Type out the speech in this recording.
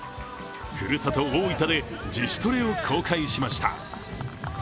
ふるさと大分で自主トレを公開しました。